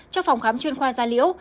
cho phòng khám chuyên khoa gia liễu